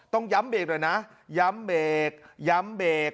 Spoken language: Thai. ต้องย้ำเบรกหน่อยนะย้ำเบรกย้ำเบรก